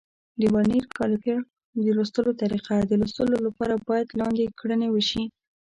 د ورنیر کالیپر د لوستلو طریقه: د لوستلو لپاره باید لاندې کړنې وشي.